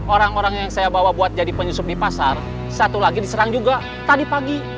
orang orang yang saya bawa buat jadi penyusup di pasar satu lagi diserang juga tadi pagi